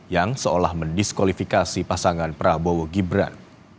yang seolah mendiskualifikasi pasangan prabowo gibran